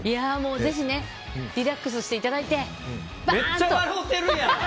ぜひリラックスしていただいてバーンと。